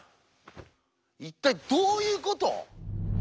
一体どういうこと？